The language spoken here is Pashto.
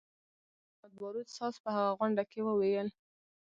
فیض محمدباروت ساز په هغه غونډه کې وویل.